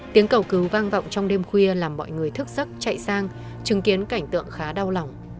tiếng cầu cứu vang vọng trong đêm khuya làm mọi người thức giấc chạy sang chứng kiến cảnh tượng khá đau lòng